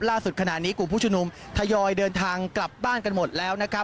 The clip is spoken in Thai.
ล่าสุดขณะนี้กลุ่มผู้ชุมนุมทยอยเดินทางกลับบ้านกันหมดแล้วนะครับ